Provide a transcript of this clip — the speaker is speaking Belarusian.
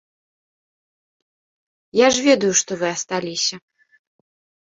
Я ж ведаю, што вы асталіся.